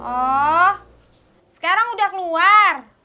oh sekarang udah keluar